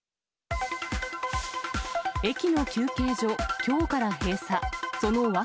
駅の休憩所、きょうから閉鎖。